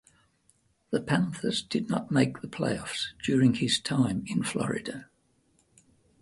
The Panthers did not make the playoffs during his time in Florida.